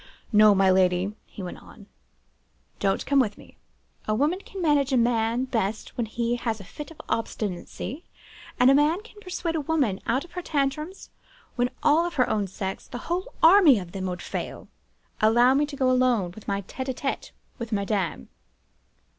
'No, my lady,' he went on, 'don't come with me. A woman can manage a man best when he has a fit of obstinacy, and a man can persuade a woman out of her tantrums, when all her own sex, the whole army of them, would fail. Allow me to go alone to my tete a tete with madame.